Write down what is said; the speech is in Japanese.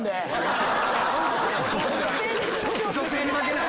女性に負けない！